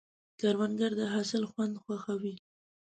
کروندګر د حاصل خوند خوښوي